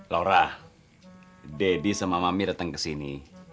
laura daddy sama mami datang kesini